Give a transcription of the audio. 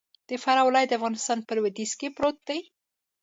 د فراه ولايت د افغانستان په لویدیځ کی پروت دې.